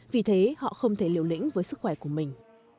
vì thế họ không thể liều lĩnh với sức khỏe của mình